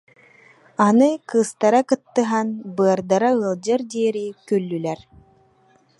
Аны кыыстара кыттыһан, быардара ыалдьыар диэри күллүлэр